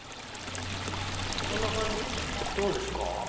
こんな感じどうですか？